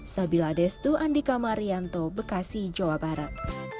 sabila destu andika marianto bekasi jawa barat